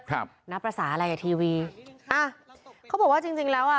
ครับนับภาษาอะไรอ่ะทีวีอ่ะเขาบอกว่าจริงจริงแล้วอ่ะ